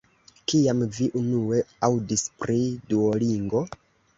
Kiam vi unue aŭdis pri Duolingo?